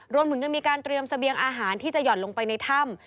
รวมถึงยังมีการเตรียมเสบียงอาหารที่จะห่อนลงไปในถ้ำ